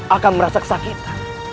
akan merasa kesakitan